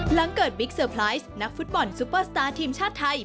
หลังเกิดบิ๊กเซอร์ไพรส์นักฟุตบอลซุปเปอร์สตาร์ทีมชาติไทย